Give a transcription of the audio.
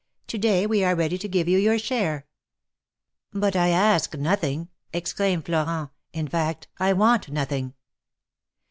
To day we are ready to give you your share." " But I ask nothing," exclaimed Florent; "in fact, I want nothing."